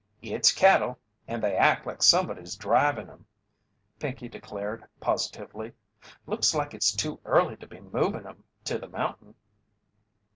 "It's cattle, and they act like somebody's drivin' 'em," Pinkey declared, positively. "Looks like it's too early to be movin' 'em to the mountain."